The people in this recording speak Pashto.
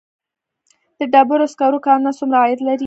د ډبرو سکرو کانونه څومره عاید لري؟